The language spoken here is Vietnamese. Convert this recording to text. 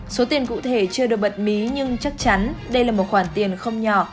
số tiền cụ thể chưa được bật mí nhưng chắc chắn đây là một khoản tiền không nhỏ